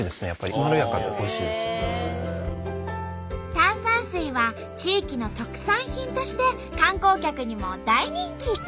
炭酸水は地域の特産品として観光客にも大人気。